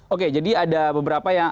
oke jadi ada beberapa yang